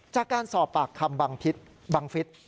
จากการสอบปากคำบังฟิศ